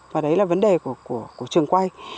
và đấy là vấn đề của trường quay